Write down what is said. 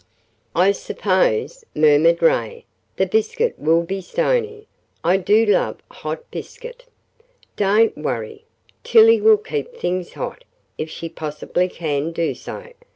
"I suppose," murmured Ray, "the biscuit will be stony. I do love hot biscuit." "Don't worry. Tillie will keep things hot, if she possibly can do so.